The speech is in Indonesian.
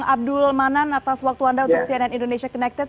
abdul manan atas waktu anda untuk cnn indonesia connected